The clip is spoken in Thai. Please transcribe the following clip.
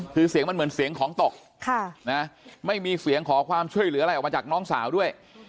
คือเสียงมันเหมือนเสียงของตกไม่มีเสียงขอความช่วยเหลืออะไรออกมาจากน้องสาวด้วย